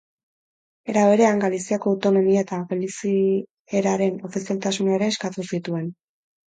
Era berean, Galiziako autonomia eta galizieraren ofizialtasuna ere eskatu zituen.